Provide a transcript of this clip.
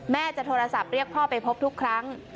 แม่จะโทรศัพท์เรียกพ่อไปพบทุกครั้ง